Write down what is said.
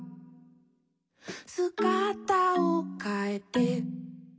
「すがたをかえて」